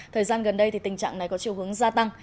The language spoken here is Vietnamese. thời gian gần đây tình trạng này có chiều hướng gia tăng